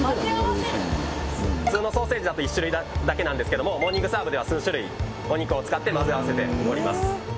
普通のソーセージだと１種類だけなんですけどもモーニングサーブでは数種類お肉を使って混ぜ合わせております